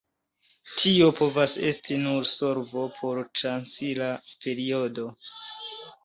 Tio povas esti nur solvo por transira periodo.